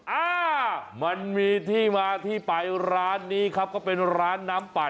อ่ามันมีที่มาที่ไปร้านนี้ครับก็เป็นร้านน้ำปั่น